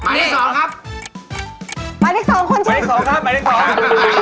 หมายเลข๒คุณชื่อหมายเลข๒ครับหมายเลข๒